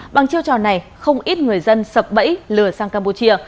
bằng chiêu trò này không ít người dân sập bẫy lừa sang campuchia